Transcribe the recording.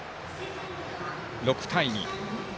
６対２。